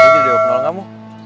gue jadi dewa penolong kamu